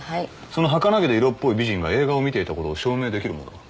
そのはかなげで色っぽい美人が映画を見ていたことを証明できる物は？